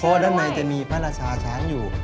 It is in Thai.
เพราะว่าด้านในจะมีพระราชาช้างอยู่